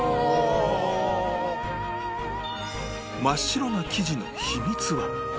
真っ白な生地の秘密は